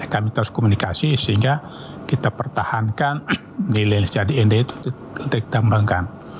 kami terus komunikasi sehingga kita pertahankan nilai yang jadi nd itu kita kembangkan